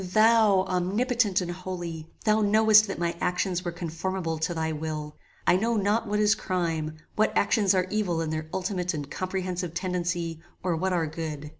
"Thou, Omnipotent and Holy! Thou knowest that my actions were conformable to thy will. I know not what is crime; what actions are evil in their ultimate and comprehensive tendency or what are good.